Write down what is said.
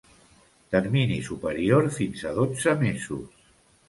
Termini superior fins a dotze mesos.